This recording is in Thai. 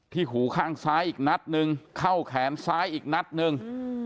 หูข้างซ้ายอีกนัดนึงเข้าแขนซ้ายอีกนัดหนึ่ง